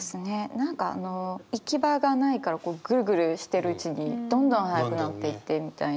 何かあの行き場がないからグルグルしてるうちにどんどん速くなっていってみたいな。